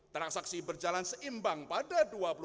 transaksi berjalan seimbang pada dua ribu dua puluh tiga